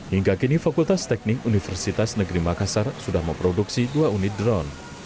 hingga kini fakultas teknik universitas negeri makassar sudah memproduksi dua unit drone